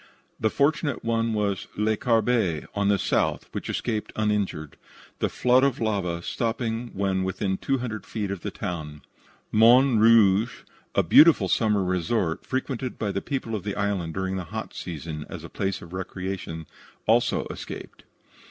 The fortunate one was Le Carbet, on the south, which escaped uninjured, the flood of lava stopping when within two hundred feet of the town. Morne Rouge, a beautiful summer resort, frequented by the people of the island during the hot season as a place of recreation, also escaped.